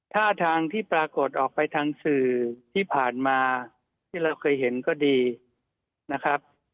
ท่าทางที่ปรากฏออกไปทางสื่อที่ผ่านมาที่เราเคยเห็นก็ดีนะครับ